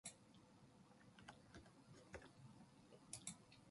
금주와 단연은 의논할 문제가 아니요